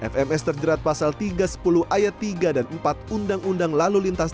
fms terjerat pasal tiga ratus sepuluh ayat tiga dan empat undang undang lalu lintas